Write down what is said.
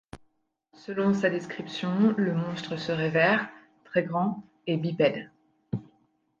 Selon sa description, le monstre serait vert, très grand et bipède.